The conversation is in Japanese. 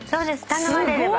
頼まれれば。